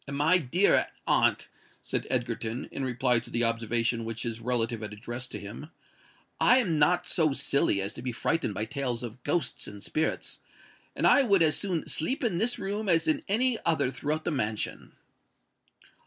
"My dear aunt," said Egerton, in reply to the observation which his relative had addressed to him, "I am not so silly as to be frightened by tales of ghosts and spirits; and I would as soon sleep in this room as in any other throughout the mansion."